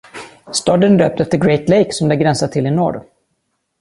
Staden är döpt efter Great Lake som den gränsar till i norr.